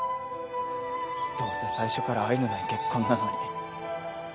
どうせ最初から愛のない結婚なのに。